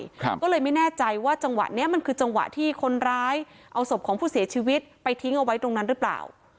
ก็เลยไม่แน่ใจว่าจังหวะเนี้ยมันคือจังหวะที่คนร้ายเอาศพของผู้เสียชีวิตไปทิ้งเอาไว้ตรงนั้นหรือเปล่า